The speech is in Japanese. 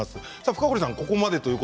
深堀さんは、ここまでです。